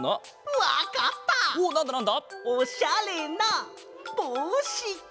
おしゃれなぼうし。